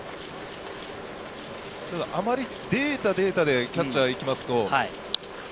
あまりデータデータでキャッチャーが行くと。